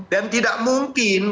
dan tidak mungkin